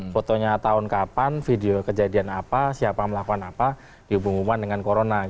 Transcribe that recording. fotonya tahun kapan video kejadian apa siapa melakukan apa dihubung hubungkan dengan corona